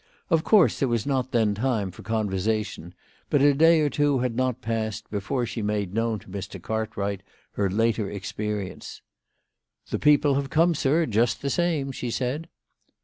Of course there was not then time for conversation ; but a day or two had not passed before she made known to Mr. Cartwright her later experience. " The people have come, sir, just the same," she said.